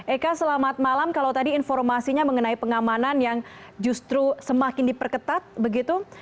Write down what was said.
eka selamat malam kalau tadi informasinya mengenai pengamanan yang justru semakin diperketat begitu